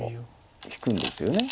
引くんですよね。